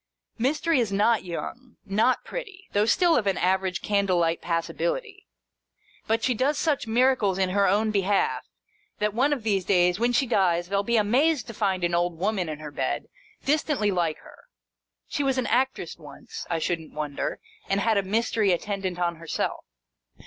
Mystery is not young, not pretty, though still of an average candle light passability ; but she does such miracles in her own behalf, that, one of these days, when she dies, they'll be amazed to find an old woman in her bed, distantly like her. She was an actress once, I shouldn't wonder, and had a Mystery attendant on her self.